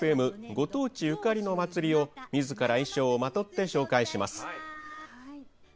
ご当地ゆかりの祭りをみずから衣装をまとって紹介します。